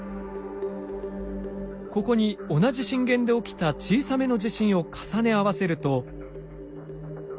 ここに同じ震源で起きた小さめの地震を重ね合わせると。